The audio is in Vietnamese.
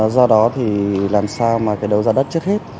do đó thì làm sao mà đầu giá đất trước hết